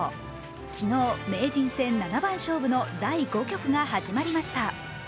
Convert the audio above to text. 昨日、名人戦七番勝負の第５局が始まりました。